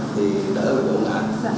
thì đỡ đổ ngã